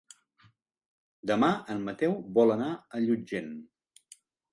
Demà en Mateu vol anar a Llutxent.